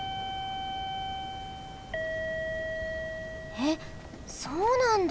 えっそうなんだ！